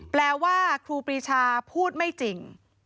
แปลว่าครูปรีชาพูดไม่จริง